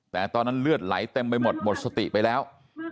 แต่ตอนนั้นเลือดไหลเต็มไปหมดหมดสติไปแล้ว